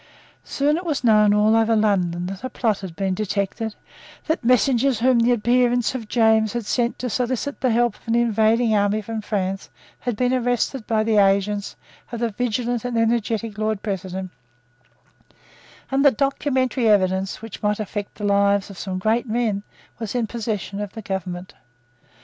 Soon it was known all over London that a plot had been detected, that the messengers whom the adherents of James had sent to solicit the help of an invading army from France had been arrested by the agents of the vigilant and energetic Lord President, and that documentary evidence, which might affect the lives of some great men, was in the possession of the government.